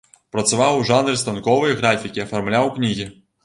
Працаваў у жанры станковай графікі, афармляў кнігі.